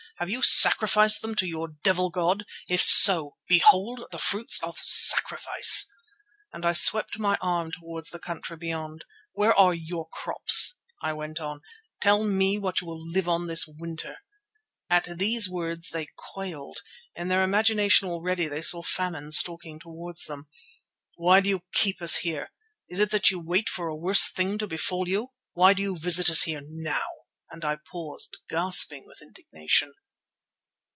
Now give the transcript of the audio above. "Have you sacrificed them to your devil god? If so, behold the fruits of sacrifice!" and I swept my arm towards the country beyond. "Where are your crops?" I went on. "Tell me on what you will live this winter?" (At these words they quailed. In their imagination already they saw famine stalking towards them.) "Why do you keep us here? Is it that you wait for a worse thing to befall you? Why do you visit us here now?" and I paused, gasping with indignation.